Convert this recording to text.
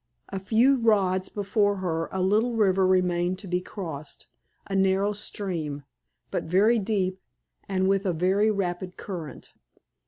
A few rods before her a little river remained to be crossed a narrow stream, but very deep and with a very rapid current.